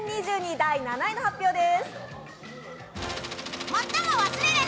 第７位の発表です。